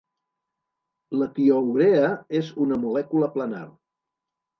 La tiourea és una molècula planar.